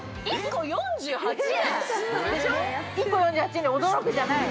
１個４８円で驚くじゃない。